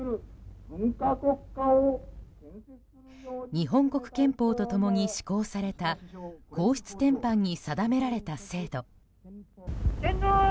日本国憲法と共に施行された皇室典範に定められた制度。